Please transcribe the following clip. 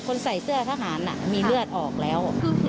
ใส่เสื้อทหารมีเลือดออกแล้ว